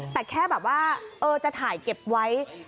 แต่แค่แบบว่าจะถ่ายเก็บไว้